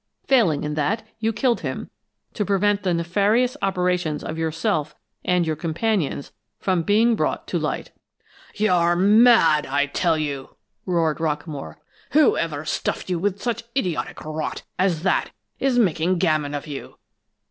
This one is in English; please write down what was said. Failing in that, you killed him, to prevent the nefarious operations of yourself and your companions from being brought to light!" "You're mad, I tell you!" roared Rockamore. "Whoever stuffed you with such idiotic rot as that is making gammon of you!